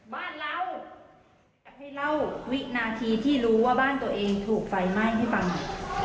บ้านเราอยากให้เล่าวินาทีที่รู้ว่าบ้านตัวเองถูกไฟไหม้ให้ฟังหน่อย